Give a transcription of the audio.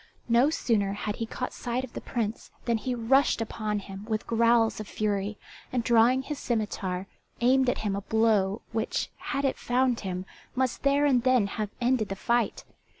No sooner had he caught sight of the Prince than he rushed upon him with growls of fury, and drawing his scimitar aimed at him a blow which, had it found him, must there and then have ended the fight.